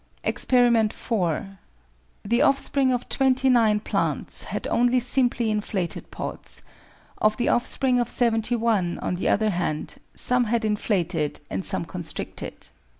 Expt. 4. The offspring of 29 plants had only simply inflated pods; of the offspring of 71, on the other hand, some had inflated and some constricted.